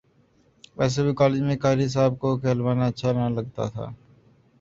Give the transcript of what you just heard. ویسے بھی کالج میں قاری صاحب کہلوانا اچھا نہ لگتا تھا